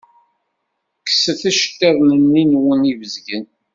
Kkset iceṭṭiḍen-nni-nwen ibezgen.